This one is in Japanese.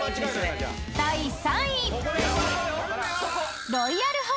［第３位］